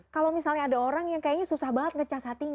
kalau misalnya ada orang yang kayaknya susah banget ngecas hatinya